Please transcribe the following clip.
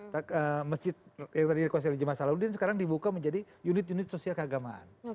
masjid yang tadi dikuasai oleh jemaah salahuddin sekarang dibuka menjadi unit unit sosial keagamaan